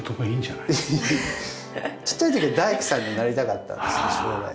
ちっちゃい時は大工さんになりたかったんです将来。